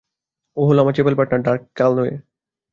ও হলো আমার chapel partner, Dirk Callaway.